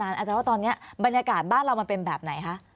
อาจารย์ว่าตอนนี้บรรยากาศบ้านเรามันเป็นแบบไหนคะ